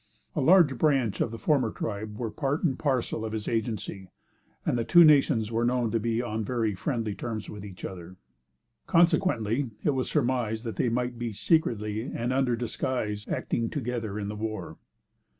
A large branch of the former tribe were part and parcel of his agency, and the two nations were known to be on very friendly terms with each other; consequently, it was surmised that they might be secretly, and under disguise, acting together in the war.